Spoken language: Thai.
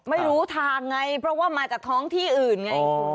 ไม่รู้ทางไงเพราะว่ามาจากท้องที่อื่นไง